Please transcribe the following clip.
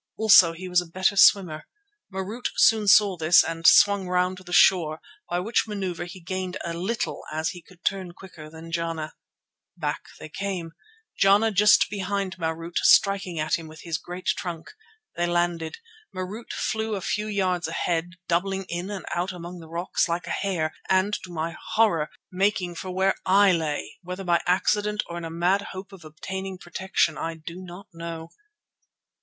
Also he was the better swimmer. Marût soon saw this and swung round to the shore, by which manoeuvre he gained a little as he could turn quicker than Jana. Back they came, Jana just behind Marût, striking at him with his great trunk. They landed, Marût flew a few yards ahead doubling in and out among the rocks like a hare and, to my horror, making for where I lay, whether by accident or in a mad hope of obtaining protection, I do not know.